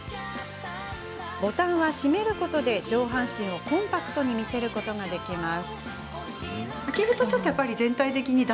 ボタンは、閉めることで上半身をコンパクトに見せることができます。